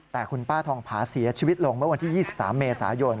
แต่คุณป้าทองผาเสียชีวิตลงเมื่อวันที่๒๓เมษายน